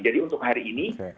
jadi untuk hari jumat nanti